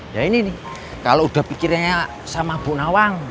ya ini nih kalo udah pikirnya sama bu nawang